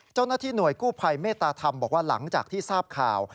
เจ้าหน้าที่หน่วยกู้ภัยเมตตาธรรมบอกว่าหลังจากที่ทราบข่าว